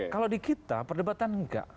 kalau di kita perdebatan enggak